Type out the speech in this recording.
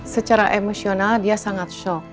secara emosional dia sangat shock